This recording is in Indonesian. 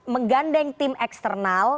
menggandeng tim eksternal